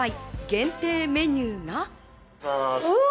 限定メニューが。